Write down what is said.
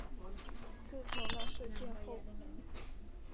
自从那事件后